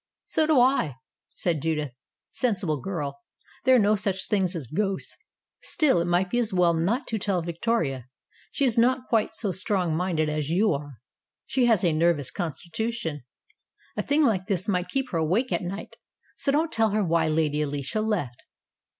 "So do I," said Judith. "Sensible girl. There are no such things as ghosts. Still, it might be as well not to tell Victoria. She is not quite so strong minded as you are. She has a nervous constitution. A thing like that might keep her awake at night. So don't tell her why Lady Alicia left."